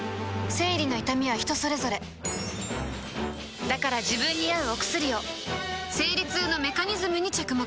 生理の痛みは人それぞれだから自分に合うお薬を生理痛のメカニズムに着目